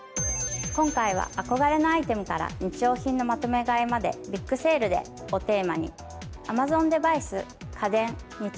今回は「憧れのアイテムから、日用品のまとめ買いまで、ビッグセールで。」をテーマに。